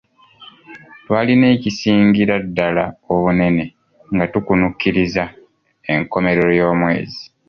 Twalina ekisingira ddala obunene nga tukunukkiriza enkomerero y'omwezi.